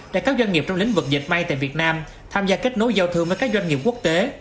để các doanh nghiệp trong lĩnh vực dịch may tại việt nam tham gia kết nối giao thương với các doanh nghiệp quốc tế